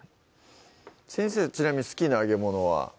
先生ちなみに好きな揚げものは？